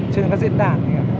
chứ không có diễn đàn gì hả